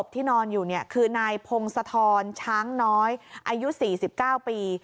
ที่นอนอยู่คือนายพงศธรช้างน้อยอายุ๔๙ปี